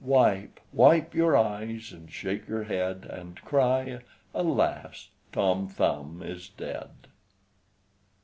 Wipe, wipe your eyes, and shake your head And cry Alas! Tom Thumb is dead!"